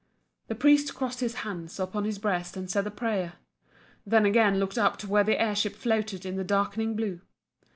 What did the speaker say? The priest crossed his hands upon his breast and said a prayer then again looked up to where the air ship floated in the darkening blue.